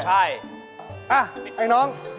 อ้าไอ้น้อง